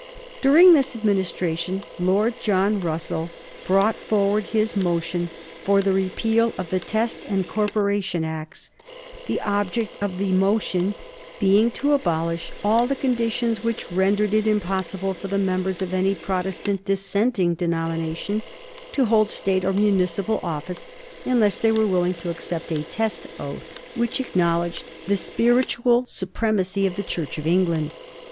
During this Administration Lord John Russell brought forward his motion for the repeal of the Test and Corporation Acts; the object of the motion being to abolish all the conditions which rendered it impossible for the members of any Protestant dissenting denomination to hold State or municipal office, unless they were willing to accept a test oath, which acknowledged the spiritual supremacy of the Church of England.